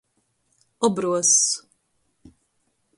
Obruozs.